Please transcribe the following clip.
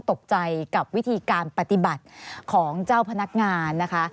ตกใจกับวิธีการปฏิบัติของเจ้าพนักงานนะคะ